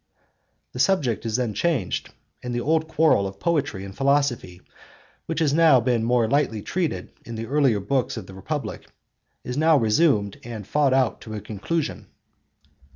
The subject is then changed and the old quarrel of poetry and philosophy which had been more lightly treated in the earlier books of the Republic is now resumed and fought out to a conclusion.